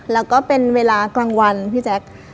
แล้วก็เป็นเวลากลางวันพี่แจ๊ค